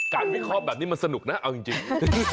วิเคราะห์แบบนี้มันสนุกนะเอาจริง